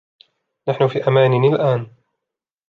نحن في أمان الآن.